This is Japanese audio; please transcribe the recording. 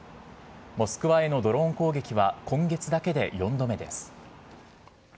モスクワへのドローン攻撃は今月だけで４度目です。